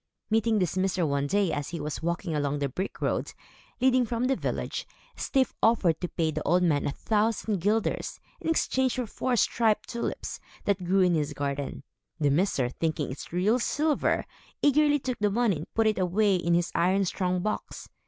Meeting this miser one day, as he was walking along the brick road, leading from the village, Styf offered to pay the old man a thousand guilders, in exchange for four striped tulips, that grew in his garden. The miser, thinking it real silver, eagerly took the money and put it away in his iron strong box.